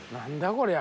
こりゃ。